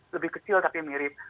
lebih kecil tapi mirip